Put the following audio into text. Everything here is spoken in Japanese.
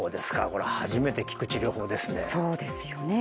これは初めて聞く治療法ですね。